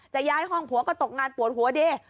ย้ายห้องผัวก็ตกงานปวดหัวดิ